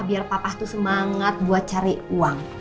biar papa tuh semangat buat cari uang